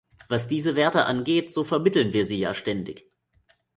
Was diese Werte angeht, so vermitteln wir sie ja ständig.